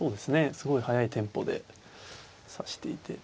すごい速いテンポで指していて。